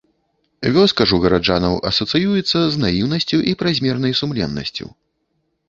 Вёска ж у гараджанаў асацыюецца з наіўнасцю і празмернай сумленнасцю.